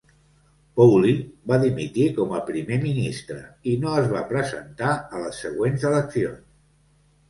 Pawley va dimitir com a primer ministre i no es va presentar a les següents eleccions.